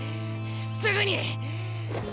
すぐに！